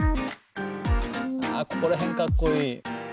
あここら辺かっこいい。